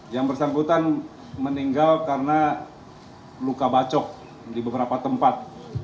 yang bersangkutan meninggal karena luka bacok di beberapa tempat